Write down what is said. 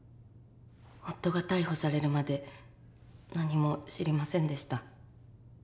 夫が逮捕されるまで何も知りませんでした。